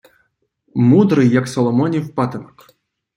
Мудрий, як Соломонів патинок.